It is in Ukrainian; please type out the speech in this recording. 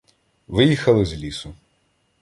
Виїхали з лісу.